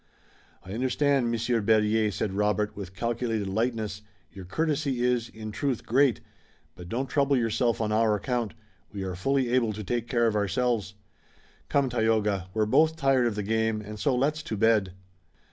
"I understand, Monsieur Berryer," said Robert, with calculated lightness; "your courtesy is, in truth, great, but don't trouble yourself on our account. We are fully able to take care of ourselves. Come, Tayoga, we're both tired of the game and so let's to bed."